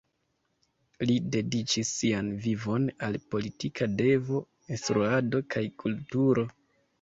Li dediĉis sian vivon al politika devo, instruado kaj kulturo.